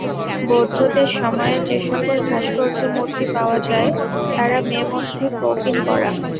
বৌদ্ধদের সময়ের যেসকল ভাস্কর্যমূর্তি পাওয়া যায়, তারা মেয়ে-মদ্দে কৌপীন-পরা।